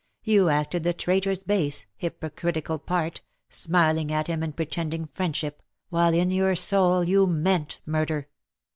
You acted the traitor's base, hypocritical part, smiling at him and pretending friendship, while in your soul you meant murder.